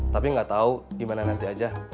tapi gak tau gimana nanti aja